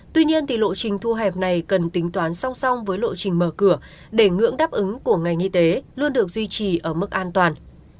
tuy nhiên lộ trình thu hẹp này cần tính toán song song với lộ trình mở cửa để ngưỡng đáp ứng của ngành y tế luôn được duy trì ở mức an toàn